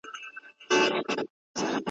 له کېمبرج هيسټري آف اِنډيا